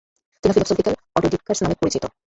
তিনি ফিলোসফিকাল অটোডিডাকটাস নামে পরিচিত।